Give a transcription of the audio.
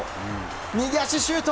右足、シュート！